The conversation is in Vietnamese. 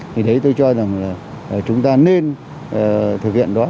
thì đấy tôi cho rằng là chúng ta nên thực hiện đó